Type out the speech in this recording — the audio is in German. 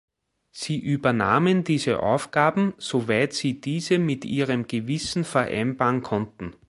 Sie übernahmen diese Aufgaben, soweit sie diese mit ihrem Gewissen vereinbaren konnten.